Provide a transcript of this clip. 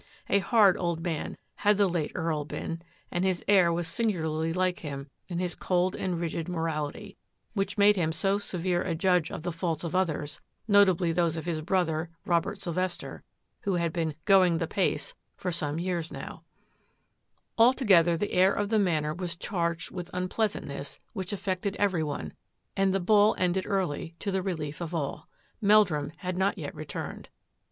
A hard old man had the late Earl and his heir was singularly like him in hi; and rigid morality, which made him so se judge of the faults of others, notably those brother, Robert Sylvester, who had been " the pace " for some years now. WHERE HAD MELDRUM BEEN? 19 Altogether the air of the Manor was charged with unpleasantness which affected every one, and the ball ended early, to the relief of all. Meldrum had not yet returned.